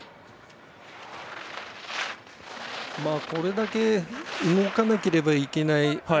これだけ動かなければいけない